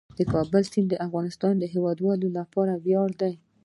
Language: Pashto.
د کابل سیند د افغانستان د هیوادوالو لپاره ویاړ دی.